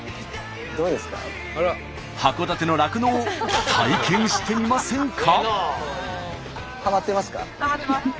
函館の酪農を体験してみませんか？